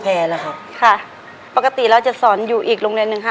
ในแคมเปญพิเศษเกมต่อชีวิตโรงเรียนของหนู